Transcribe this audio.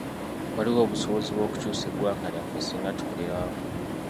Waliwo obusobozi bw’okukyusa eggwanga lyaffe ssinga tukolera wamu.